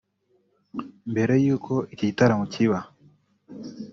Mbere y’uko iki gitaramo kiba